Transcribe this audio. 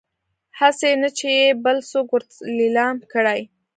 هسي نه چې يې بل څوک ورته ليلام کړي